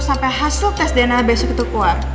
sampai hasil tes dna besok itu keluar